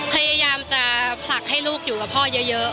พยายามจะผลักให้ลูกอยู่กับพ่อเยอะ